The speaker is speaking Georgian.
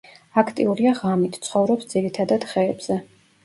აქტიურია ღამით, ცხოვრობს ძირითადად ხეებზე.